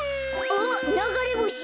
あっながれぼし！